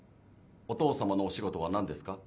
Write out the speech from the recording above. お父様のお仕事は何ですか？